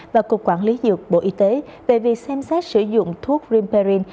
và cục quản lý dược bộ y tế về việc xem xét sử dụng thuốc dreamperine